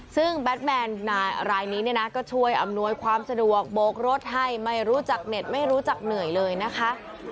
ซึ่งแบทแมนรายนี้เนี่ยนะก็ช่วยอำนวยความสะดวกโบกรถให้ไม่รู้จักเน็ตไม่รู้จักเหนื่อยเลยนะคะ